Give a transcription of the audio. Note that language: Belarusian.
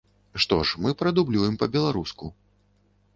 Што ж мы прадублюем па-беларуску.